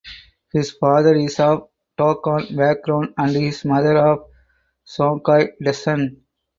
His father is of Dogon background and his mother of Songhai descent.